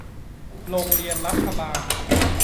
โรงเรียนรัฐบาล